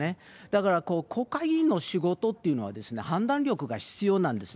だから、国会議員の仕事っていうのは、判断力が必要なんです。